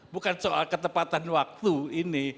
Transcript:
bukan soal ketepatan waktu ini